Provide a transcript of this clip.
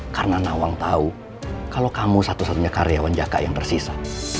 karena nawang tahu kalau kamu satu satunya karyawan jaka yang tersisa